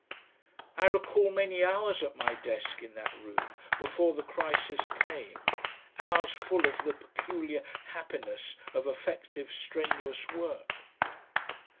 I recall many hours at my desk in that room before the crisis came, hours full of the peculiar happiness of effective strenuous work.